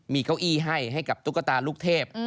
มีเก้าอี้ให้ให้กับตุ๊กตาลูกเทพ